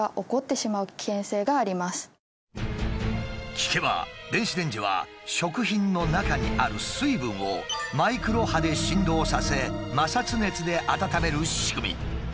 聞けば電子レンジは食品の中にある水分をマイクロ波で振動させ摩擦熱で温める仕組み。